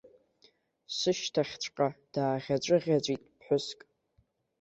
Сышьҭахьҵәҟьа дааӷьаҵәыӷьаҵәит ԥҳәыск.